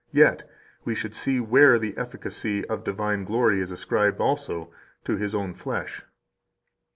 Yet we should see where the efficacy of divine glory is ascribed also to His own flesh."